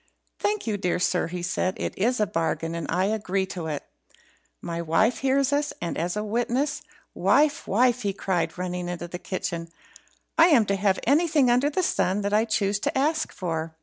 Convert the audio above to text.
"Thank you, dear sir," he said; "it's a bargain, and I agree to it. My wife hears us, and is witness. Wife! wife!" he cried, running into the kitchen, "I am to have anything under the sun that I choose to ask for.